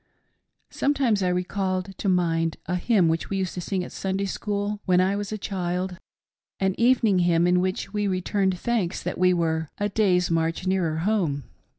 Sometimes I recalled to mind a hymn which we used to sing at Sunday School, when I was a child — an evening hymn in which we returned thanks that we were — 'A day's inarch nearer home.'